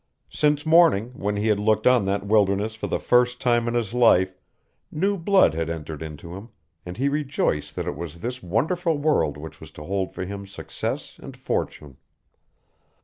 Since morning, when he had looked on that wilderness for the first time in his life, new blood had entered into him, and he rejoiced that it was this wonderful world which was to hold for him success and fortune.